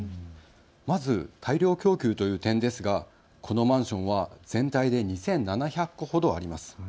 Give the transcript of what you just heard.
まず大量供給という点ですがこのマンションは全体で２７００戸ほどあります。